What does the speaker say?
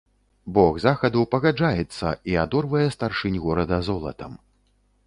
Бог захаду пагаджаецца і адорвае старшынь горада золатам.